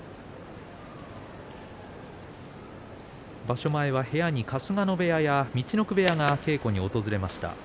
場所前は部屋に春日野部屋や陸奥部屋へ稽古に訪れました。